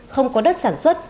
không có đất sản xuất